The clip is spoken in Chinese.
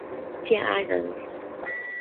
建安人。